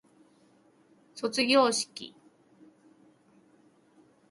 卒業式